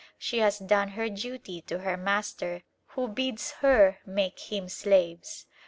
She has done her duty to her master who bids her make him slaves.